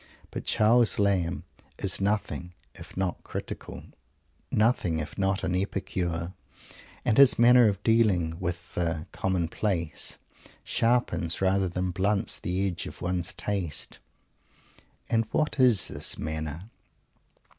But Charles Lamb is nothing if not "critical," nothing if not an Epicure, and his manner of dealing with the "commonplace" sharpens rather than blunts the edge of one's taste. And what is this manner?